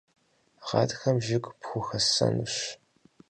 Гъатхэм жыг пхухэссэнущ.